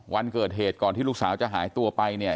วันเกิดเหตุก่อนที่ลูกสาวจะหายตัวไปเนี่ย